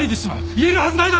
言えるはずないだろ！